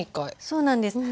そうなんです。